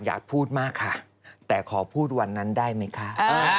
อับค่าตัวหรือเปล่า